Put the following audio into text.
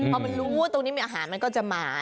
พอมันรู้ตรงนี้มีอาหารมันก็จะหมาย